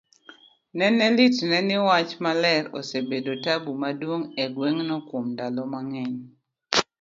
nene litne ni wach marler osebedo tabu maduong' egweng' no kuom ndalo mang'eny,